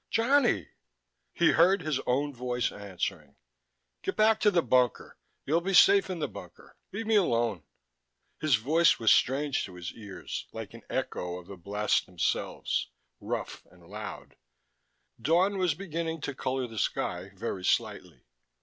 "Johnny...." He heard his own voice answering. "Get back to the bunker. You'll be safe in the bunker. Leave me alone." His voice was strange to his ears, like an echo of the blasts themselves, rough and loud. Dawn was beginning to color the sky, very slightly.